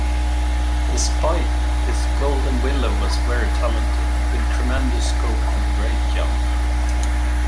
Despite this Golden Willow was very talented, with tremendous scope and a great jump.